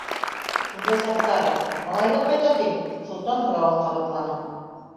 Шундай саҡтары.—Малайҙар ҡайҙа тим?—Солтан һорауын ҡабатланы.